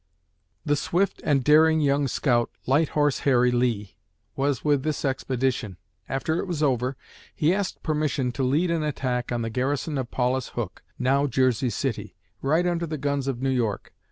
The swift and daring young scout, "Light Horse Harry" Lee, was with this expedition. After it was over, he asked permission to lead an attack on the garrison of Paulus Hook (now Jersey City), right under the guns of New York.